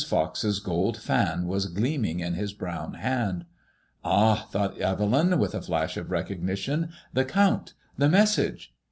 Fox's gold fan was gleaming in his brown hand. " Ah !" thought Evelyn, with a flash of recollection, " the Count ! The message